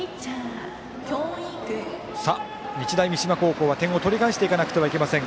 日大三島高校は点を取り返していかなくてはいけません。